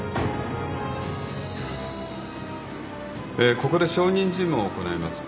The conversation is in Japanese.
ここで証人尋問を行います。